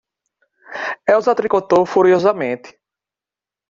Elsa tricotou furiosamente.